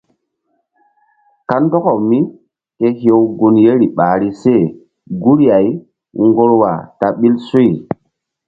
Kandɔkaw míke hew gun yeri ɓahri se guri-ay ŋgorwa ta ɓil suy.